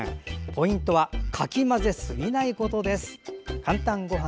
ポイントはかき混ぜすぎないことです。